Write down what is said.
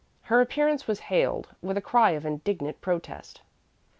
Her appearance was hailed with a cry of indignant protest.